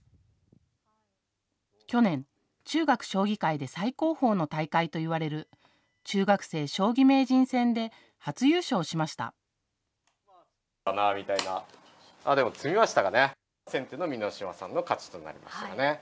去年、中学将棋界で最高峰の大会といわれる中学生将棋名人戦で初優勝しました。